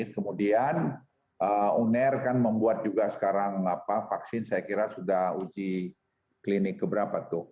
kemudian uner kan membuat juga sekarang vaksin saya kira sudah uji klinik keberapa tuh